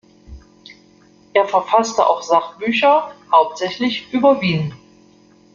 Er verfasste auch Sachbücher, hauptsächlich über Wien.